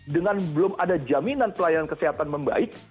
dengan belum ada jaminan pelayanan kesehatan membaik